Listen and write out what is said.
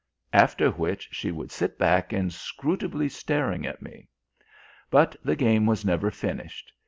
after which she would sit back inscrutably staring at me. But the game was never finished.